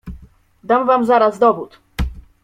"Dam wam zaraz dowód."